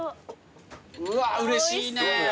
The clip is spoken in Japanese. うわうれしいね。